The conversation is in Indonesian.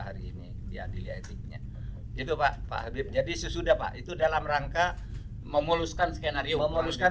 hari ini diadili etiknya itu pak pak habib jadi sesudah pak itu dalam rangka memuluskan skenario memuluskan